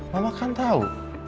mama kan tau